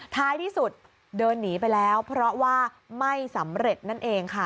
ท้ายที่สุดเดินหนีไปแล้วเพราะว่าไม่สำเร็จนั่นเองค่ะ